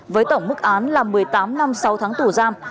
với tổng mức án là một mươi tám năm sáu tháng tù giam